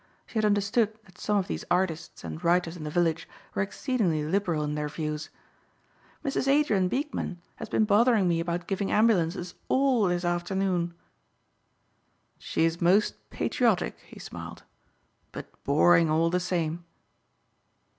She had understood that some of these artists and writers in the village were exceedingly liberal in their views. "Mrs. Adrien Beekman has been bothering me about giving ambulances all this afternoon." "She is most patriotic," he smiled, "but boring all the same."